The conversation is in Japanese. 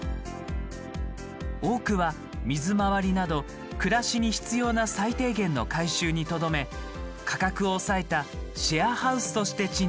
多くは水回りなど暮らしに必要な最低限の改修にとどめ価格を抑えたシェアハウスとして賃貸。